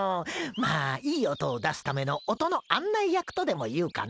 まあいい音を出すための音の案内役とでもいうかな。